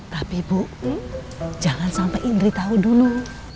tapi bu jangan sampai indri tahu dulu